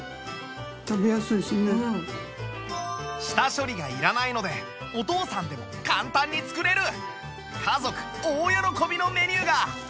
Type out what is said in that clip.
下処理がいらないのでお父さんでも簡単に作れる家族大喜びのメニューが